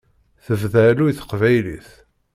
Tebda alluy teqbaylit.